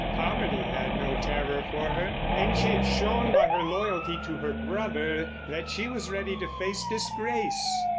Poverty had no terror for her, and she had shown by her loyalty to her brother that she was ready to face disgrace.